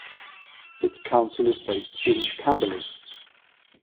Its Council is based in Camberley.